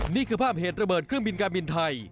นี่คือภาพเหตุระเบิดเครื่องบินการบินไทย